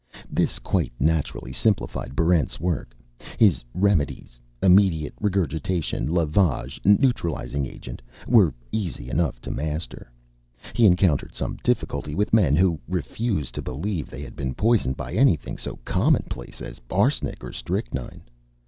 This quite naturally simplified Barrent's work. His remedies immediate regurgitation, lavage, neutralizing agent were easy enough to master. He encountered some difficulty with men who refused to believe they had been poisoned by anything so commonplace as arsenic or strychnine.